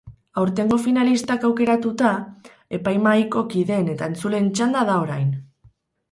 Aurtengo finalistak aukeratuta, epaimahaiko kideen eta entzuleen txanda da orain.